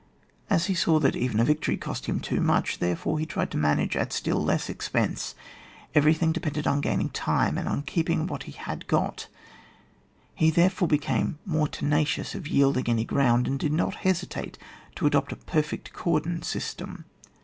As he saw that even a victory cost him too much, there fore he tried to manage at still less expense ; everything depended on gain ing time, and on keeping what he had got; he therefore became more tena cious of yielding any ground, and did not hesitate to adopt a perfect cordon system.